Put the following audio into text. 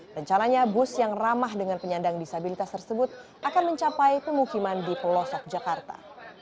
rencananya bus yang ramah dengan penyandang disabilitas tersebut akan mencapai pemukiman di pelosok jakarta